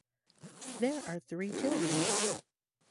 There are three children.